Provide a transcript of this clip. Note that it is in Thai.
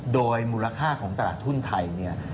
โดยมูลค่าของตลาดหุ้นไทยเนี่ย